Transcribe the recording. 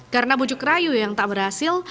karena bujuk rayu yang tak berhasil